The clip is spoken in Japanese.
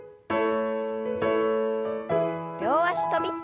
両脚跳び。